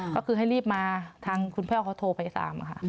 ก็คือให้รีบมาทางคุณพ่อเขาโทรไป๓ค่ะ